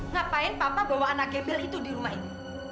ngapain papa bawa anak gebel itu di rumah ini